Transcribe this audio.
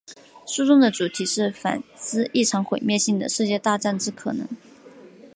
书中的主题是反思一场毁灭性的世界大战之可能。